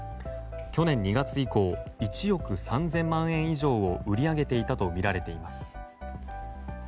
去年２月以降１億３０００万円以上を売り上げていたとみられています。